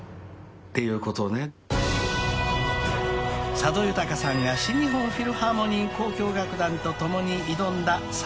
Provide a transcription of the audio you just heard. ［佐渡裕さんが新日本フィルハーモニー交響楽団と共に挑んだ３００日の記録］